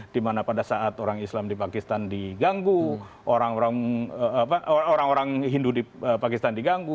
dimana pada saat orang islam di pakistan diganggu orang orang hindu di pakistan diganggu